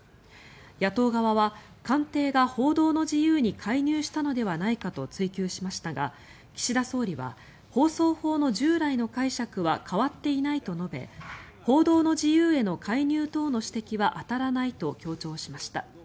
野党側は、官邸が報道の自由に介入したのではないかと追及しましたが岸田総理は放送法の従来の解釈は変わっていないと述べ報道の自由への介入等の指摘は当たらないと強調しました。